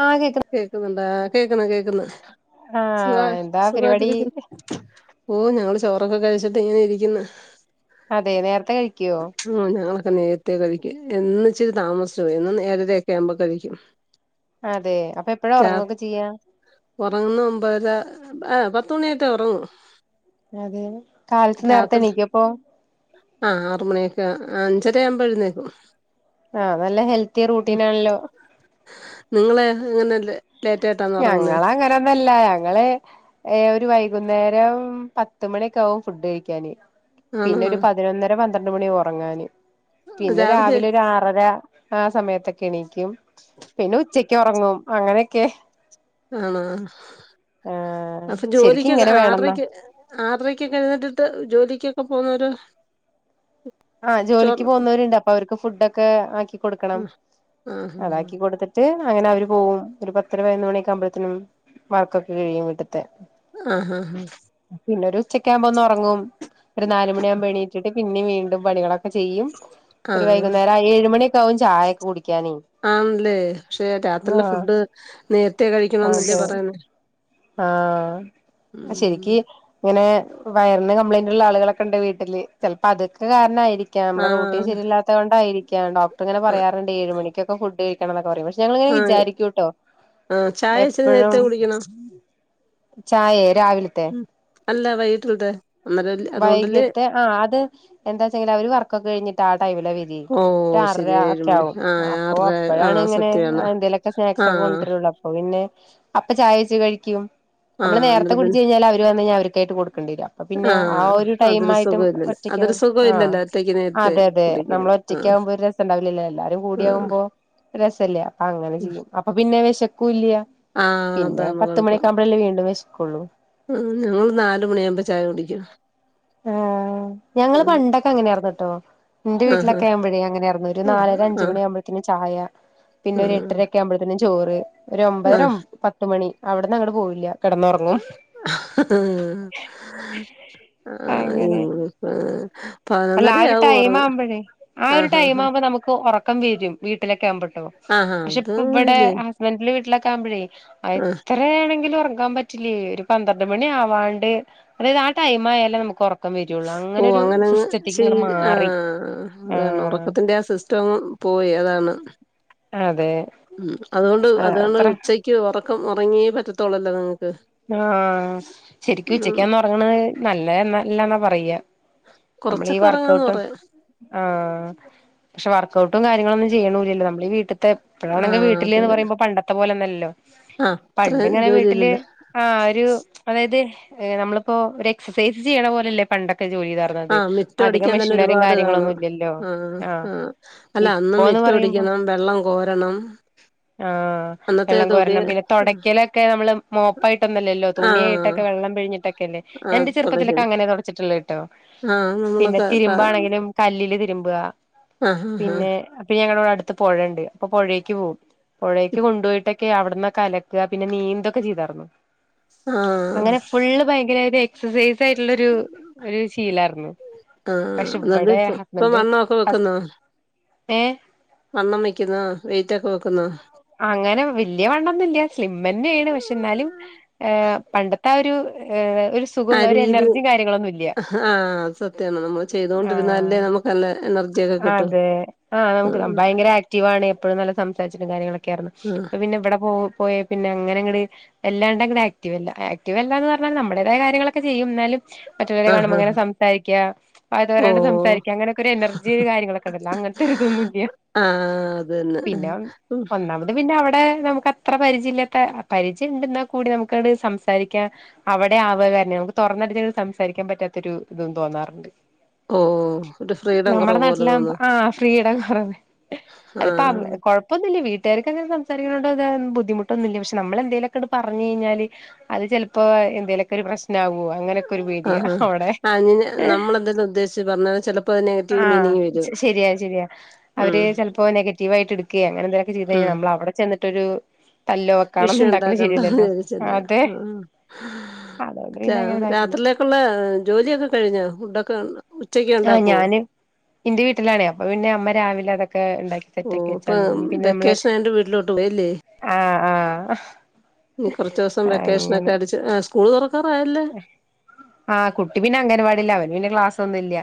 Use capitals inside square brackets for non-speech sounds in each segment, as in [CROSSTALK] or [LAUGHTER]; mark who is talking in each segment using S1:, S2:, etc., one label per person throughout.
S1: ആഹ് കേക്ക്ന്ന്
S2: കേക്കുന്നുണ്ടാ? കേക്ക്ന്ന് കേക്ക്ന്ന് സുഖ
S1: ആഹ് എന്താ പരിപാടി
S2: സുഖായിട്ടിരിക്ക്ന്ന് ഓ ഞങ്ങള് ചോറൊക്കെ ഡൊക്കെ കഴിച്ചിട്ട് ഇങ്ങനെ ഇരിക്ക്ന്ന്
S1: അതെ നേരത്തെ കഴിക്കോ?
S2: ഞങ്ങളൊക്കെ നേരത്തെ കഴിക്കും ഇന്ന് ഇച്ചിരി താമസിച്ചു പോയി എന്നും ഏഴരെയൊക്കെ ആവുമ്പോ കഴിക്കും.
S1: അതെ അപ്പൊ എപ്പഴാ
S2: രാ
S1: ഒറങ്ങൊക്കെ ചെയ്യാ?
S2: ഉറങ്ങുന്ന ഒമ്പതര ആ പത്ത് മണിയായിട്ടേ ഒറങ്ങൂ.
S1: അതെ കാലത്തെ നേരത്തെ എണീക്കൊ അപ്പൊ?
S2: ആഹ് അഞ്ചര ആവുമ്പ എഴുന്നേക്കും.
S1: ആ നല്ല ഹെൽത്തി
S2: ഉം
S1: റൂട്ടീനാണല്ലോ
S2: അങ്ങനല്ലേ
S1: ഞങ്ങള് അങ്ങനൊന്നല്ല ഞങ്ങള് ഒരു വൈകു നേരം പത്തുമണിയൊക്കെ ആവും ഫുഡ് കഴിക്കാന്
S2: ആണോ
S1: പിന്നെ ഒരു പതിനൊന്നര പ പന്ത്രണ്ട് മണിയാവും ഉറങ്ങാന് പിന്നെ രാവിലെ ഒരു ആറര ആ സമയത്തൊക്കെ എണീക്കും പിന്നെ ഉച്ചക്ക് ഒറങ്ങും അങ്ങനെയൊക്കെ
S2: ആണ
S1: ആഹ്
S2: അപ്പൊ
S1: ശരിക്കും
S2: ജോലിക്കൊക്കെ
S1: ഇങ്ങനെ വേണംന്നാ
S2: ആറരക്ക് ആറരക്കൊക്കെ എഴുന്നേറ്റിട്ട് ജോലിക്കൊക്കെ പ്പം പോന്നൊര്
S1: ആ ജോലിക്ക് പോകുന്നവരുണ്ട് അപ്പൊ അവർക്ക് ഫു ഫുഡൊക്കേ ആക്കി കൊടുക്കണം
S2: ആ ആ
S1: അതാക്കി കൊടുത്തിട്ട് അങ്ങനെ അവര് പോവും ഒരു പത്തര പതിനൊന്ന് മണിയൊക്കെയാവുമ്പഴത്തിനും വർക്കൊക്കെ കഴിയും വീട്ട് തെ
S2: ആ ആ ആ
S1: പിന്നൊരു സ് ഉച്ചക്കെയാവുമ്പോ ഒന്നൊറങ്ങും ഒരു നാല് മണിയാവുമ്പൊണീറ്റിട്ട് പിന്നെ വീണ്ടും പണികളൊക്
S2: ആഹ്
S1: മണിയൊക്കെ ആവും ചായൊക്കെ കുടിക്കാനേ
S2: ആണ്ലേ. പക്ഷെ രാത്രിലെ
S1: ആഹ്
S2: ഫുഡ് നേരത്തെ കഴിക്കണന്നല്ലേ
S1: അതെ
S2: പറയുന്നെ
S1: ആഹ് ശരിക്ക് ഇങ്ങനെ വയർന് കംപ്ലയിന്റ് ള്ള ആളുകളൊക്കെ ഇണ്ട് വീട്ടില്. ചിലപ്പോ അതൊക്കെ കാരണായിരിക്ക ക്ക മ്മ്ടെ റോട്ടീൻ
S2: ആഹ്
S1: ശരിയല്ലാത്ത കൊണ്ടായിരി‌ [UNINTELLIGIBLE] പ്പങ്ങനെ
S2: ആഹ്
S1: പറയാറ്ണ്ട് ഏഴ് മണിക്കൊക്കെ ഫുഡ് കഴി [UNINTELLIGIBLE] ഞങ്ങളിങ്ങനെ
S2: ആഹ്
S1: വിചാരിക്കൂട്ടോ
S2: ആഹ് ചായ ഇച്ചിരി നേരത്തെ
S1: എപ്പഴും
S2: കുടിക്കണം
S1: ചായേ രാവിലത്തെ
S2: ഉം അല്ല വൈകിൽട്ടത്തെ
S1: വൈകിത്തെ ആഹ് അത് എന്താച്ചെങ്കി അവര് വർക്കൊക്കെ കഴിഞ്ഞിട്ട് ആ ടൈമിലാ വരി ഒരു
S2: ഓഹ് ശരി
S1: ആറരാ
S2: ഏഴ്
S1: ഒക്കെ
S2: മണി
S1: ആകും.
S2: ആഹ്
S1: അപ്പൊ
S2: ആറര
S1: അപ്പെഴാണി
S2: ആഹ്
S1: ങ്ങനെ
S2: സത്യാണ്
S1: എന്തേലൊക്കെ സ്നാക്സ് ഒക്കെ
S2: ആഹ്
S1: കൊഡ്രൊള്ളൂ അപ്പൊ പിന്നെ അപ്പൊ ചായ ച് കഴിക്കും നമ്മള്
S2: ആഹ്
S1: നേരത്തെ
S2: അന്നേരം പിന്നെ
S1: കുടിച്ച് കഴിഞ്ഞാല് അവര് വന്ന് കഴിഞാ അവർക്കായിട്ട് കൊടുക്കണ്ടി വരും അപ്പ പിന്നെ ആ
S2: ആഹ്
S1: ഒരു ടൈം
S2: അതൊരു
S1: ആയിട്ടും
S2: സുഖം ഇല്ലല്ലോ
S1: ഒറ്റക്
S2: അതൊരു സുഖം
S1: ആഹ്
S2: ഇല്ലല്ലോ ഒറ്റക്ക് നേരത്തെ
S1: അതെ അതെ
S2: കുടിക്കാൻ ആഹ്
S1: നമ്മളൊറ്റക്കാവുമ്പോ ഒരു രസം ഇണ്ടാവില്ലല്ലോ എല്ലാരും
S2: ആഹ്
S1: കൂടിയാവുമ്പോ രസല്ലേ. അപ്പൊ അങ്ങനെ. അപ്പൊ പിന്നെ വിശ കൂലിയ
S2: ആഹ്
S1: പിന്നെ പത്തുമണിയൊക്കാവുമ്പോഴല്ലേ വീണ്ടും വെശ കൊള്ളു
S2: ഉം ഞങ്ങള് നാലുമണി ആവുമ്പോ ചായ കുടിക്കും
S1: ആഹ് ഞങ്ങള്
S2: ആഹ്
S1: പണ്ടൊക്കെ അങ്ങനെയാർന്ന്ട്ടോ ഇന്റെ
S2: ആഹ്
S1: വീട്ടിലൊക്കെ ആവുമ്പഴേ അങ്ങനെ ആർന്നു ഒരു
S2: ആഹ്
S1: നാലര
S2: ആഹ്
S1: അഞ്ച് മണി ആവുമ്പഴത്തിന് ചായ പിന്നൊര
S2: ആഹ്
S1: ഏട്ടരായൊക്കെ ആവുമ്പഴത്തിന് ചോറ് ഒരു ഒമ്പയര
S2: ആഹ്
S1: ഒം പത്ത് മണി അവിടന്ന് അങ്ങങ്ങള് പോയില്ല കിടന്നു ഒറങ്ങും
S2: ആഹ ഇ [UNINTELLIGIBLE]
S1: അല്ല ആ ഒരു ടൈം ആവുമ്പോഴേ ആ ഒരു
S2: ആഹ്
S1: ടൈം
S2: ആഹ്
S1: ആവുമ്പോ നമുക്ക് ഉറക്കം വരും വീട്ടിലൊക്കെ ആവുമ്പോട്ടോ
S2: ആഹ് ആഹ്
S1: പക്ഷെ
S2: അത്
S1: ഇപ്പം ഇവിടെ
S2: അങ്ങനല്ലേ
S1: ഹുസ്ബൻഡിന്റെ വീട്ടിലൊക്കെ ആകുപ്പോഴേ
S2: ആഹ്
S1: എത്രയാണെങ്കിലും ഒറക്കം ഒറങ്ങാൻ പറ്റില്ല ഒരു പന്ത്രണ്ട് മണി ആവാണ്ട് അതായത് ആ ടൈം ആയാല നമുക്ക് ഒറക്കം വരുയുള്ളൂ അങ്ങനെ ഒരു സി
S2: ശീ ആ അതാണ്
S1: ആഹ്
S2: ഒറക്കത്തിന്റെ ആ സിസ്റ്റം അങ്ങ് പോയി അതാണ്
S1: അതെ
S2: ഉ അതുകൊണ്ട് അതുകൊണ്ട്
S1: അത്ര
S2: ഉച്ചക്ക് ഒറ ക്ക്‌ ഒന്ന് ഒറങ്ങിയേ പറ്റത്തൊള്ളല്ലോ നിങ്ങൾക്ക്
S1: ആഹ ശരിക്കും
S2: ഉം
S1: ഉച്ചക്കാന്ന് ഒറങ്ങണത് നല്ലതന്നെ ഇല്ലാന്നാ പറയ്യ നമ്മൾ ഈ
S2: കുറച്ചൊക്കെ ഉറങ്ങാന്ന്
S1: വർക്കഔട്ടും
S2: പറയാ
S1: ആഹ പക്ഷെ വർക്കഔട്ട് ടും കാര്യങ്ങൾ ഒന്നും ചെയ്യണുല്ലല്ലോ നമ്മള്ളി വീട്ടിൽ ഇപ്പളാണെങ്കിൽ
S2: ആഹ് അതെ
S1: വീട്ടില്ന്ന് പറയുമ്പോ പണ്ടത്തെ പോലെന്നല്ല
S2: ആഹ് അത്രേം ജോലി ഇല്ലല്ലോ
S1: ആ ഒരു അതായിത് നമ്മളിപ്പൊ ഒരു എക്സസൈസ് ചെയ്യണ പോലെല്ലേ പണ്ടൊക്കെ ജോലി തർന്നത്
S2: ആഹ് മിറ്റം
S1: അധികം
S2: അടിക്കാൻ തന്നെ
S1: മെഷനറും
S2: ഒരുപാട്
S1: കാര്യങ്ങള
S2: കാണും
S1: ഒന്നുംല്ലല്ലോ
S2: ആഹ്
S1: ആ
S2: ആഹ് അല്ല അന്ന്
S1: ഇപ്പൊന്ന്
S2: മിറ്റം
S1: പറയുമ്പോ
S2: അടിക്കണം വെള്ളം കോരണം
S1: അഹ്
S2: അന്നത്തെ
S1: വെള്ളം
S2: തൊടി
S1: കോരണം പിന്നെ തുടക്കലൊക്കെ നമ്മള് മോപ്പ് പായിട്ടൊന്നല്ലോ
S2: ആഹ്
S1: തുണിയായിട്ടൊക്കെ വെള്ളം പിഴഞ്ഞിട്ടക്കെ ല്ലേ ഞാൻ
S2: ആഹ്
S1: എന്റെ ചെറുപ്പത്തിലൊക്കെ
S2: തുടയ്ക്കുന്നു
S1: അങ്ങനെ തുടച്ചിട്ടുള്ള ട്ടോ
S2: ആഹ്
S1: പിന്നെ
S2: നമ്മളൊക്കെ ത
S1: തിരുമ്പാണെങ്കിലും കല്ലില് തിരുബും തിരുമ്പാ
S2: ആഹ് ആഹ്
S1: പിന്നെ പിന്നെ ഞങ്ങള് വിടെഅടു ത്ത് പുഴണ്ട് അപ്പൊ പുഴേക്ക് പോകും പുഴേക്ക് കൊണ്ടുപോയിട്ടൊക്കെ അവിടന്ന് അലക്കുക പിന്നെ നീന്തൊക്കെ ചെയ്തർന്നു
S2: ആഹ്
S1: അങ്ങനെ ഫുള്ള് ഭയങ്കര ഒരു എക്സസൈ സയിട്ടുള്ള ഒരു ഒരു ശീലായിരുന്നു
S2: ആഹ്
S1: പക്ഷെ
S2: ആഹ് എന്നിട്ട്
S1: ഇവിടെ
S2: ഇപ്പ ഇപ്പൊ
S1: ഹസ്ബന്റ്
S2: വണ്ണമൊക്കെ
S1: ഹസ്
S2: വെക്കുന്നോ
S1: ഏഹ്
S2: വണ്ണം വയ്ക്കുന്നോ വെയിറ്റൊക്കെ വെക്കുന്നോ
S1: അങ്ങനെ വലിയ വണ്ണോന്നുംല്ല സ്ലിംമ്മന്നെയണ് പക്ഷെ എന്നാലും ഏഹ് പണ്ട ത്താ ഒരു ഏഹ് ഒരു സുഖം
S2: ആ രീതി
S1: എനർജിയും കാര്യങ്ങളൊന്നുല്യ.
S2: ആഹ് സത്യാണ് നമ്മൾ
S1: ആഹ്
S2: ചെയ്തോണ്ടിരുന്നാലല്ലേ നമുക്ക് നല്ല എനർജിയൊക്കെ കിട്ടു
S1: അതെ ആ നമുക്ക്
S2: ആഹ്
S1: ഭയങ്കര ആക്റ്റീവാണ് എപ്പോഴും നല്ല സംസാരിച്ച് ചില കാര്യങ്ങളൊക്കെ കേറണം അപ്പ പിന്നെ ഇവിടെ പോ പോയേ പിന്നെ അങ്ങനെ അങ്ങട് വല്ലാണ്ടെങ്ക് ആക്റ്റീവ് അല്ല ആക്റ്റീവല്ല എന്ന് പറഞ്ഞാൽ നമ്മുടേതായ കാര്യങ്ങളൊക്കെ ചെയ്യും എന്നാലും മറ്റുള്ളവരെ
S2: ആഹ് ആഹ്
S1: കാണുമ്പോ
S2: ആഹ്
S1: ഇങ്ങനെ സംസാരിക്കാ വാ തോരാണ്ട്
S2: ഓഹ്
S1: സംസാരിക്കാ അങ്ങനൊക്കൊരു എനർജി കാര്യങ്ങളൊക്കൊണ്ടല്ലോ അങ്ങനത്തൊരിതൊന്നുല്ല്യ
S2: ആഹ് അത് തന്നെ
S1: പിന്നെ ഒന്നാമത് പിന്നെ അവടെ നമുക്കത്ര പരിചയ ഇല്ലാത്തെ പരിചയ ഇണ്ടെന്നാ കൂടി നമുക്കങ്ങട് സംസാരിക്കാ അവടെ ആവുകാന്നെ നമുക്ക് തൊറന്നടിച്ചങ്ങട് സംസാരിക്കാൻ പറ്റാത്തൊരു ഇതും തോന്നാറുണ്ട്
S2: ഓഹ് ഒരു ഫ്രീഡം
S1: നമ്മുടെ
S2: കുറവ് പോലെ
S1: നാട്ടിലാ മ്പ
S2: തോന്നും
S1: ആ ഫ്രീഡം [UNINTELLIGIBLE] അത്പ്പ അവ
S2: ആഹ്
S1: കൊഴപ്പൊന്നൂല്ല വീ തെരക്കങ്ങനെ സംസാരിക്കണോണ്ട് താ ബുദ്ധിമുട്ടൊന്നുമില്ല പക്ഷെ നമ്മള് എന്തേലൊക്കങ്ങട് പറഞ്ഞ് കഴിഞ്ഞാല് അത് ചെലപ്പോ എന്തേലൊക്കൊരു പ്രശ് ണ്ടാവുവോ അങ്ങനൊക്കൊരു പേടിയാ
S2: ആഹ് ആഹ്
S1: അവടെ
S2: ആ അങ്ങനെ നമ്മളെന്തെലും ഉദ്ദേശിച്ച് പറഞ്ഞാൽ ചിലപ്പോ അത് നെഗറ്റീവ്
S1: ആഹ്
S2: മീനിങ് വരും
S1: ശരിയാ ശരിയാ
S2: ഉം
S1: അവര് ചെലപ്പോ നെഗറ്റീവായിട്ട് എടുക്കേ അങ്ങനെന്തേ രിതേ നമ്മളവിടെ ചെന്ന് ന്നിട്ടൊരു
S2: വിഷ്യണ്ടാക്കണ്ടാന്ന് വിചാരിച്ചല്ലേ
S1: അതെ
S2: ആഹ്
S1: അതുകൊണ്ട്
S2: രാ
S1: പിന്നെ അങ്ങനെ ഇതാക്കില്ല
S2: രാത്രിയിലേക്കൊള്ള ജോലിയൊക്കെ കഴിഞ്ഞാ ഫുഡൊക്കെ ഒണ്ടാ
S1: ആ ഞാന് ഇന്റ് വീട്ടിലാണേ അപ്പൊ പിന്നെ അമ്മ രാവിലെ അതൊക്കെ ഇണ്ടാക്കി
S2: ഓ
S1: സെറ്റാക്കി
S2: ഇപ്പൊ
S1: വെച്ചാണ്ട് ഇനി പിന്നെ നമ്മള്
S2: വെക്കേഷൻ ആയോണ്ട് വീട്ടിലോട്ട് പോയല്ലേ
S1: ആഹ്‌ ആഹ്
S2: ഇനി കൊറച്ച് ദിവസം വെക്കേഷനൊക്കെ അടിച്ച് ആ സ്കൂള് തൊറ
S1: ആ കുട്ടി പിന്നെ അംഗനവാടിലാ അവൻ പിന്നെ ക്ലാസ് ഒന്നില്യ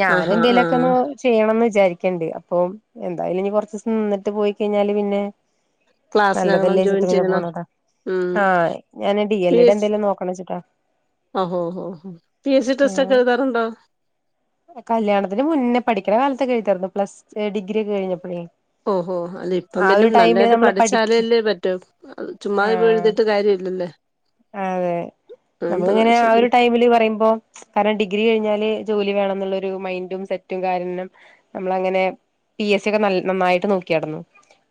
S1: ഞാൻ
S2: ആഹാ ആഹ്
S1: എന്തെേലൊക്കെയൊന്ന് ചെയ്യണംന്ന് വിചാരിക്ക് ണ്ട് അപ്പൊ എന്തായാലും ഇനി കൊറച്ച് ദിവസം നിന്നിട്ട് പോയി കഴിഞ്ഞാല് പിന്നെ
S2: ക്ലാസ്സിനാകണം
S1: നല്ലതല്ലേ ചുട്ടു
S2: ജോയിൻ
S1: പിന്നെ
S2: ചെയ്യണം
S1: പോണത്
S2: ഉം
S1: ആ ഞാൻ D
S2: P
S1: L A D
S2: S
S1: എന്തെലും നോക്കണന്ന് വെച്ച്
S2: ഹോ ഹോ പി എസ് സി ടെസ്റ്റൊക്കെ
S1: ആഹ്
S2: എഴുതാറുണ്ടോ?
S1: കല്യാണത്തിന് മുന്നേ പഠിക്കണ കാലത്തെ എഴുതാരുന്നു പ്ലസ് ഡിഗ്രി ഒക്കെ കഴിഞ്ഞപ്പോഴെ
S2: ഓഹോ അല്ല ഇപ്പം
S1: ആ
S2: പിന്നെ
S1: ഒരു ടൈമില്
S2: നല്ലതായിട്ട്
S1: നമ്മള് പഠിക്കു
S2: പഠിച്ചാലല്ലേ പറ്റൂ ചുമ്മാ
S1: ആ
S2: എഴുതിയിട്ട് കാര്യമില്ലല്ലേ
S1: അതെ
S2: ആ ഇപ്പ
S1: നമ്മളിങ്ങനെ ആ
S2: ശരി
S1: ഒരു ടൈമില് പറയുമ്പോ കാരണം ഡിഗ്രി കഴിഞ്ഞാല് ജോലി [INAUDIBLE] ന്നുള്ളൊരു മൈന്റും സെറ്റും കാരണം നമ്മളങ്ങനെ പി എസ് സിയൊക്കെ നന്നായിട്ട് നോക്കിയാരുന്നു.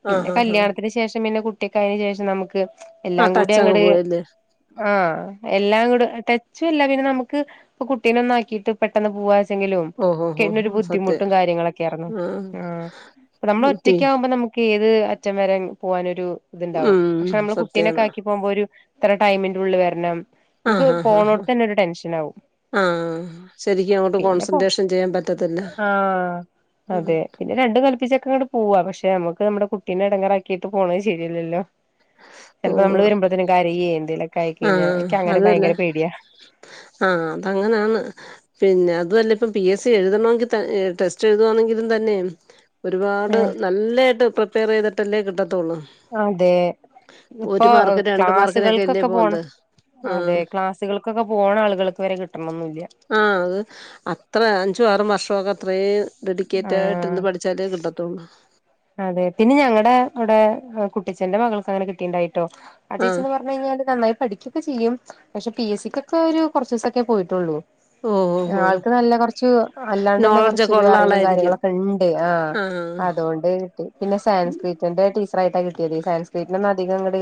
S1: പിന്നെ
S2: ആഹ് ആഹ് ആഹ്
S1: കല്യാണത്തിന് ശേഷം പിന്നെ കുട്ട് ഒറ്റക്കായതിനു ശേഷം നമുക്ക്
S2: ആ
S1: എല്ലാം കൂടി
S2: ടച്ചങ്ങ്
S1: അങ്ങട്
S2: പോയല്ലേ
S1: ആഹ് എല്ലാം കൂടെ ച്ചല്ല പിന്നെ നമുക്ക് കുട്ടീനെ ഒന്നാക്കിട്ട് പെട്ടെന്ന് പോവാ
S2: ഓഹോ
S1: ക്കെ
S2: ഹോ
S1: അയ്‌ന് ഒരു
S2: ഹോ സത്യം
S1: ബുദ്ധിമുട്ടും കാര്യങ്ങളൊക്കെ ആയിർന്നു ആ
S2: ആഹ്
S1: നമ്മൾ
S2: പി
S1: ഒറ്റക്കാകുമ്പോ നമുക്ക് ഏത് അറ്റം വരെ പോകാനൊരു ഇത്ണ്ടാവും
S2: ഉം
S1: പക്ഷെ നമ്മള് കുട്ടീനൊക്കെ
S2: സത്യാണ്
S1: ആക്കി പോകുമ്പോ ഒരു ഇത്ര ടൈമിന്റെ ഉള്ളിൽ വരണം നമുക്ക്
S2: ആഹ് ആഹ് ആ
S1: പോണോടത്ത് തന്നെ ഒരു ടെൻഷൻ ആവും
S2: ആ ആ ശരിക്കും അങ്ങോട്ട്
S1: പിന്നെ പോ
S2: കോൺസെൻട്രേഷൻ ചെയ്യാൻ പറ്റത്തില്ല
S1: ആഹ് അതെ പിന്നെ രണ്ടും കൽപ്പിച്ചൊക്കെങ്ങട് പോവാ പക്ഷെ നമുക്ക് നമ്മുടെ കുട്ടീനെ ഇടങ്ങേറാക്കിയിട്ട് പോകുന്നത് ശരിയല്ലല്ലോ
S2: ഓ
S1: ചിലപ്പോ നമ്മള് വരുമ്പഴത്തേനും കാരയേ എന്തേലൊ
S2: ആഹ് അതുംഅല്ല ആഹ് അതങ്ങനാണ് പിന്നെ അതുഅല്ല ഇപ്പം പി എസ് സി എഴുതണോങ്കിൽ ടെസ്റ്റ് എഴുതുവാണെങ്കിലും തന്നെ ഒരുപാട് നല്ലായിട്ട് പ്പൊ പ്രിപേർ ചെയ്തിട്ടല്ലേ കിട്ട
S1: അതെ
S2: ഒരു
S1: ഇപ്പൊ
S2: മാർക്ക് രണ്ട്
S1: ക്ലാസുകൾ
S2: മാർക്കിനൊക്കെ അല്ലേ
S1: ക്കൊക്കെ
S2: പോന്നത്
S1: പോണം അതെ
S2: ആഹ്
S1: ക്ലാസ്സുകൾക്കൊക്കെ പോണ ആളുകൾക്ക് വരെ കിട്ട്ണൊന്നുല്ല
S2: ആഹ് അത് അത്ര [UNINTELLIGIBLE] ഡെഡിക്കേറ്റ് ആയിട്ടിര്ന്ന്
S1: ആഹ്
S2: പഠിച്ചാലേ കിട്ടത്തുള്ളൂ
S1: അതെ പിന്നെ ഞങ്ങടെ വിടെ കുട്ടിച്ചഛന്റെ മകൾക്ക് അങ്ങനെ കിട്ടിണ്ടായിരുന്ന് ട്ടൊ
S2: ആഹ്
S1: അടീച്ചറ്ന്ന് പറഞ്ഞു കഴിഞ്ഞാല് നന്നായിട്ട് പഠിക്കൊക്കെ ചെയ്യും പക്ഷെ പി എസ് സി ക്കൊക്കെ ഒരു കുറച്ച് ദിവസൊക്കെ പോയിട്ടുള്ളൂ
S2: ഓഹ് ഓഹ് ഓഹ്
S1: ആൾക്ക് നല്ല കുറച്ച് അല്ലാണ്ട് തന്നെ
S2: നോളജൊക്കെ
S1: കൊറച്ചൊരു
S2: ഉള്ള
S1: അറിവും
S2: ആളായിരിക്കും
S1: കാര്യങ്ങളൊക്കെ ണ്ട് ആ
S2: ആഹ്
S1: അതുകൊണ്ട്, അത് കിട്ടി പിന്നെ സയൻസ്ക്രീറ്റിന്റെ ടീച്ചറായിട്ടാ കിട്ടിയത് സയൻസ്ക്രീ അധികം ങ്ങട്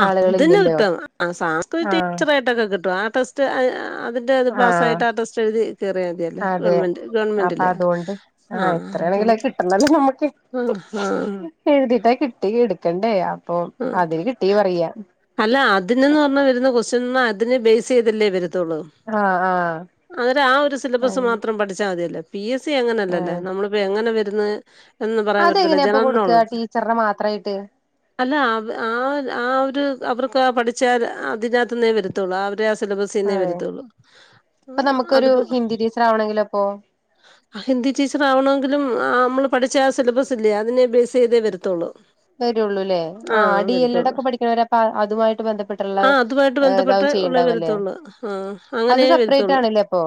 S2: അ അതിന് കിട്ടും സാംസ്കൃറ്റ്
S1: ആ
S2: ടീച്ചറായിട്ടൊക്കെ കിട്ടും ആ ടെസ് റ്റ് [UNINTELLIGIBLE] അതിന്റെത് പാസായിട്ട് ആ ടെസ്റ്റ് എഴുതി കേറിയാ മതിയല്ല
S1: അതെ
S2: ഗവമെന്റ്
S1: അപ്പൊ
S2: ഗവൺമെന്റില്
S1: അതുകൊണ്ട്
S2: ആഹ് അപ്പം
S1: എത്രയാണെങ്കിലും കിട്ടണല്ലോ നമ്മുക്ക്
S2: ആഹ് ആഹ്
S1: ക്കെണ്ടേ അ
S2: ആഹ് അല്ല അതിനന്ന് പറഞ്ഞ വരുന്ന കൊസ് ന്ന അതിന് ബേസ് ചെയ്തല്ലേ വര ത്തൊള്ള്
S1: ആഹ് ആഹ്
S2: അന്നേരം ആ ഒരു സിലബസ്
S1: അങ്ങനെ
S2: മാത്രം പഠിച്ചാ മതിയല്ലൊ പി. എസ്. സി അങ്ങനല്ലല്ല നമ്മള് ഇപ്പ എങ്ങന വെ ന്ന്
S1: അതെങ്ങനെയാപ്പ കൊടുക്കാ ടീച്ചറിട മാത്രായിട്ട്?
S2: അല്ല അവ ആ ഒര് അവർക്ക് പഠിച്ച അതിനകത്തിന്നേ വരത്തുള്ളൂ ആ ഒര് സിലബസ്സീന്നെ
S1: അതെ
S2: വരത്തൊള്ള് ആ
S1: ഇപ്പൊ നമുക്കൊരു
S2: അതിപ്പൊ
S1: ഹിന്ദി ടീച്ചർ ആവണെങ്കിലോ ഇപ്പൊ
S2: അ ഹിന്ദി ടീച്ചർ ആവണോങ്കിലും ആ നമ്മള് പഠിച്ച ആ സിലബസ് ഇല്ലേ അതിനെ ബേസ് ചെയ്തേ വരത്തൊള്ള്
S1: [UNINTELLIGIBLE]
S2: ആഹ്
S1: ഡി എൽ എഡ്
S2: വരത്തൊള്ള്.
S1: ഒക്കെ പഠിക്കണവര് അപ്പൊ അതുമായിട്ട് ബന്ധപ്പെട്ടുള്ള
S2: ആഹ് അതുമായിട്ട്
S1: ഇതാവും
S2: ബന്ധപ്പെട്ട് ഒള്ളേ
S1: ചെയ്യണ്ടാവല്ലേ
S2: വരത്തൊള്ള് ആഹ്
S1: അത്
S2: അങ്ങനേ
S1: സെപ്പറേറ്റ്
S2: വരത്തൊള്ള്
S1: ആണല്ലേ അപ്പൊ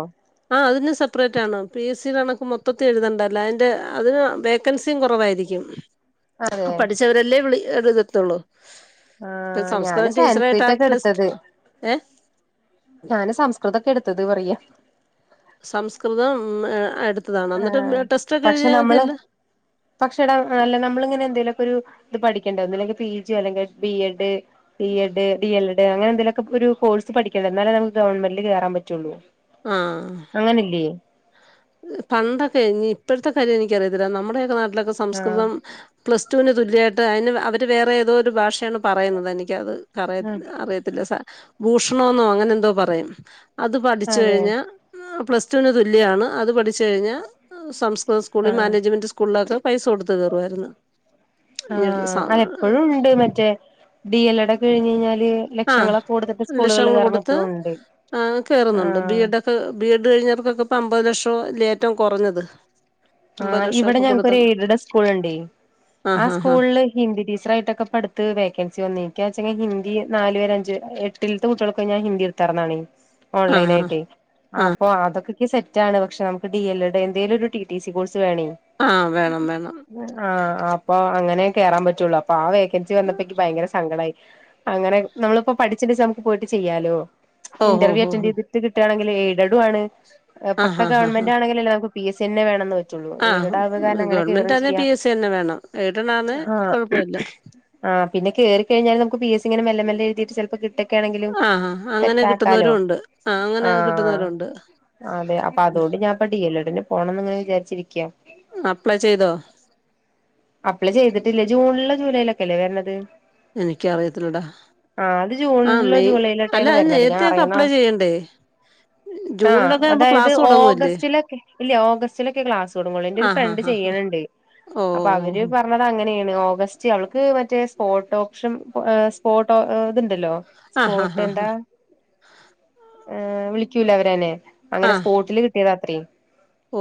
S2: ആഹ് അതിനും സെപ്പറേറ്റ് ആണ് പി. എസ്. സി കണക്ക് മൊ മൊത്തത്തി എഴുതേണ്ടല്ല അതിന്റെ അതിന് വേക്കൻസിയും കുറവായിരിക്കും ആ
S1: അതെ
S2: പഠിച്ചവരെല്ലേ വിളി എടുക്കത്തുള്ളൂ ഇപ്പ
S1: ആഹ് ഞാന്
S2: സംസ്കൃതം ടീച്ചറ ആയിട്ട ആ
S1: സാൻസ്ക്രിറ്റ്
S2: ട്രസ്റ്റ് ഏ
S1: ഞാനെ സംസ്കൃതൊക്കെ എടുത്തത് പറയാ-
S2: സംസ്കൃതം ഏ എടുത്തതാണ്
S1: ആഹ്
S2: എന്നിട്ട് ടെസ്റ്റ് ഒക്കെ
S1: പക്ഷെ
S2: എഴുതിയാൽ
S1: നമ്മള്
S2: മതിയല്ലോ -
S1: പക്ഷെ എടാ അല്ല നമ്മളിങ്ങനെ എന്തേലൊക്കെ ഒരു ഇത് പഠിക്കേണ്ട ഒന്നെങ്കിൽ പി ജി അല്ലെങ്കിൽ B Ed B Ed D L Ed അങ്ങനെ എന്തെലിലൊക്കെ ഒരു കോഴ്സ് പഠി എന്നാലേ നമക്ക് ഗവൺമെന്റിൽ കയറാ പറ്റയുള്ളൂ-
S2: ആഹ് പണ്ടൊകെ [UNINTELLIGIBLE] ഇപ്പോഴത്തെ കാര്യ എനിക്കറിയത്തില്ല നമ്മടേയൊക്കെ നാ
S1: ആഹ്
S2: സംസ്‌കൃതം പ്ലസ്ടുനെ തുല്യാട്ട് [UNINTELLIGIBLE] വേറെ ഏതോ ഒരു ഭാഷയാണ് പറയുന്നത് എനിക്കത്
S1: ആഹ്
S2: പറയത്തില്ല അറിയത്തില്ല സ ഭൂഷണന്നോ അങ്ങനെ എന്തോ പറയും അത് ഠിച്ച്
S1: അതെ
S2: കഴിഞ്ഞാ- പ്ലസ് ടുൂവിന് തുല്യമാണ് അത് പഠിച്ചു കഴിഞ്ഞാൽ സംസ്കൃത സ്കൂളിൽ
S1: ആഹ്
S2: മാനേജ്മെന്റ് സ്കൂളിലൊക്കെ പൈസ കൊടുത്തു കയറുവാരുന്നു
S1: ആഹ് അത് എപ്പഴും ഉണ്ട് മറ്റേ ഡി എൽ എഡ് ഒക്കെ കഴിഞ്ഞഞ് കഴിഞ്ഞാല് ലക്ഷങ്ങളൊ കൂടുത്തിട്ട് സ്കൂളുകൾ
S2: ലക്ഷങ്ങൾ
S1: കാരണം
S2: കൊടുത്ത്
S1: ഇപ്പോഴും ഉണ്ട്
S2: ആഹ്
S1: ആഹ്
S2: അവർക്കൊക്കെ പ്പ അമ്പത് ലക്ഷം ലേറ്റം കുറഞ്ഞത് അമ്പത്
S1: ആഹ് ഇവിടെ
S2: ലക്ഷമൊക്കെ
S1: ഞങ്ങക്ക്
S2: കൊടുത്ത
S1: ഒരു എയ്ഡഡ് സ്കൂള് ഇങ്ങേ ആഹ് സ്കൂളില് ഹിന്ദി ടീച്ചറായിട്ടൊക്കെ പഠ്ത്ത് വേക്കൻസി വന്നിക്ക ച്ചെങ്കി ഹിന്ദി നാല് വരെ അഞ്ച് എട്ടിൽത്തെ കുട്ടികൾക്ക് ഞാൻ ഹിന്ദി ഇട്ത്ത് നടന്നാണെ
S2: ആഹ് ആഹ് ആഹ്
S1: ഓൺലൈനയിട്ടേ
S2: ആഹ്
S1: അപ്പൊ അതൊക്കെ സെറ്റാണ് പക്ഷെ നമുക്ക് ഡി എൽ എഡ് എതേലും ഒരു ടി സി കോഴ്സ് ക്ക് വേണേ
S2: ആഹ് വേണം വേണം
S1: ആഹ് അപ്പോ അങ്ങ ക കേറാ പറ്റുള്ളൂ അപ്പോ ആഹ് വേ കൻസി വന്നപ്പോ ക്ക് ഭയര സങ്കടയി അങ്ങനെ നമ്മളിപ്പോ പഠിച്ചിണ്ട് നമുക്ക് പോയിട്ട് ചെയ്യാലോ
S2: ഓഹ്
S1: ഇന്റർവ്യൂ
S2: ഓഹ്
S1: അറ്റൻഡ്
S2: ഓഹ്
S1: ചെയ്തിട്ട് കിട്ടാണെങ്കിൽ ലേ എയ്ഡഡു ആണ് പക്ക
S2: ആഹ് ആഹ് ആഹ്
S1: ഗവൺമെന്റ് ആണെങ്കിലല്ലെ നമു പി എസ് സി ന്നെ വേണം
S2: ആഹ് ഗവണ്മെന്റ്ന്ന പി
S1: ചെയ്യാം
S2: എസ് സി ന്നെ വേണം ഐഡഡ് ആണേ
S1: ആഹ്
S2: കൊഴപ്പല്ല
S1: ആഹ് പിന്നെ കേറി കഴിഞ്ഞൽ നമ്മക്ക് പി എസ് സി ഇങ്ങെ മെല്ല എഴതിട്ട് ചിലപ്പ കിട്ട ക്ക് ണെങ്കിലും
S2: ആഹ് അങ്ങനെ
S1: സെറ്റ് ആക്കല്ലോ
S2: കിട്ടുന്നവരും ഉണ്ട് ആഹ് അങ്ങനെ
S1: ആഹ്
S2: കിട്ടുന്നവരുണ്ട്
S1: അതെ അപ്പ അതുകൊണ്ട് ഞാൻ ഡീ എൽ ഡീ പോണം ഇങ്ങനെ വിചാരി ചിരിക്ക
S2: അപ്ലൈ ചെയ്തോ
S1: അപ്ലൈ ചെയ്തിട്ടില്ലേ ജൂണിലോ ജൂലൈയിലോ ഒക്കെ അല്ലേ വരണത്
S2: എനിക്കറിയത്തില്ലടാ
S1: ആ അത്
S2: ആഹ്
S1: ജൂണിലോ
S2: മെയ് അല്ല
S1: ജൂലൈയിലോട്ടെയാണ്
S2: അത്
S1: വരണുന്നത് ഞാൻ
S2: നേരത്തെയൊക്കെ
S1: അറിയുന്ന
S2: അപ്ലൈ ചെയ്യണ്ടേ
S1: ആഹ്
S2: ജൂണിലൊക്കെ ആവുമ്പോ
S1: അതായത്
S2: ക്ലാസ് തുടങ്ങുവല്ലേ
S1: ഓഗസ്റ്റിലൊക്കെ ഇല്ല ഓഗസ്റ്റിലൊക്കെ ക്ലാസ് തോടങ്ങോളു എന്റെ ഒരു
S2: ആഹ്
S1: ഫ്രണ്ട്
S2: ആഹ് ആഹ്
S1: ചെയ്യണണ്ട് അപ്പൊ അവര്
S2: ഓഹ്
S1: പറഞ്ഞത് അങ്ങനെയാണ് ഓ ഗസ്റ്റ് അവക്ക് മറ്റേ സ്പോർട്ട് ഓപ്ഷൻ സ്പോട്ട് ഇതുണ്ടല്ലോ
S2: ആഹ് ഹാ
S1: സ്പോർട്ട്
S2: ഹാ ഹാ
S1: എന്താ വിളിക്കൂല അവരനേ അങ്ങനെ
S2: ആഹ്
S1: സ്പോട്ടില് കിട്ടിയതാ അത്രേ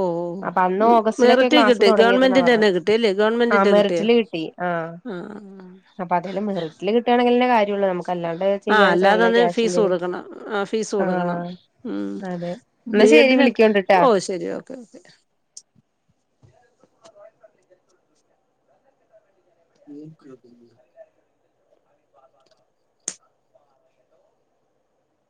S2: ഓ
S1: അപ്പൊ അന്ന്
S2: ഓ
S1: ഓഗസ്റ്റിലൊക്കെ
S2: മെറിറ്റ്
S1: ക്ലാസ്
S2: കിട്ടി
S1: തുടങ്ങിയതന്നാ
S2: ഗവൺമെന്റിന്റെ
S1: പറഞ്ഞ
S2: തന്നെ കിട്ടി അല്ലേ
S1: ആഹ്
S2: ഗവൺമെന്റിന്റെ കിട്ടിയോ
S1: മെറിറ്റില് കിട്ടി ആഹ് അപ്പൊ അതാല മെറിറ്റില് കിട്ട [UNINTELLIGIBLE]
S2: ആ അല്ലാതെന്ന ഫീസ് കൊടുക്കണം ആ ഫീസ് കൊടുക്കണം
S1: ആഹ് അതെ എന്നാ
S2: ബി
S1: ശരി
S2: എഡ്
S1: വിളിക്കോണ്ട്ട്ടാ
S2: ഓ ശരി ഓക്കെ [INAUDIBLE] [INAUDIBLE]